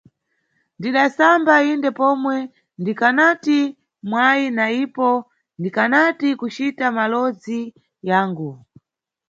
Ndidasamba, inde, pomwe ndikanati mwayi na ipo ndikanati kucita malowozi yangu.